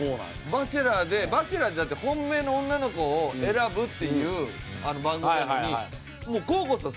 『バチェラー』で『バチェラー』ってだって本命の女の子を選ぶっていう番組やのにもう黄皓さん